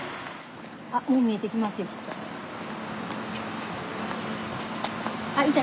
あっもう見えてきますよきっと。